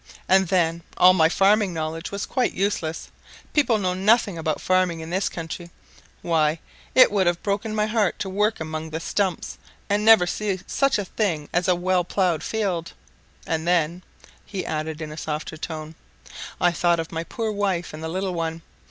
And then all my farming knowledge was quite useless people know nothing about farming in this country. Why, it would have broken my heart to work among the stumps, and never see such a thing as a well ploughed field. And then," he added, in a softer tone, "I thought of my poor wife and the little one.